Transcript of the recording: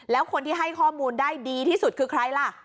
แล้วคนที่ให้ข้อมูลได้ดีที่สุดคือใครล่ะ